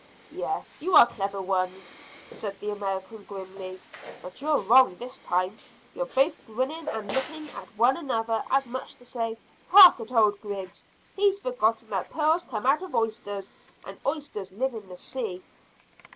"Yes, you are clever ones," said the American grimly, "but you're wrong this time. You're both grinning and looking at one another as much as to say, Hark at old Griggs! He's forgotten that pearls come out of oysters and oysters live in the sea."